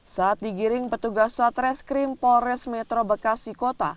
saat digiring petugas satres krim polres metro bekasi kota